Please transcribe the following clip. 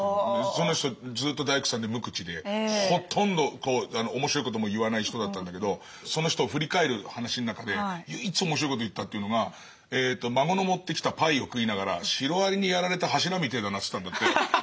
その人ずっと大工さんで無口でほとんど面白いことも言わない人だったんだけどその人を振り返る話の中で唯一面白いことを言ったというのが孫の持ってきたパイを食いながら「シロアリにやられた柱みてえだな」って言ったんだって。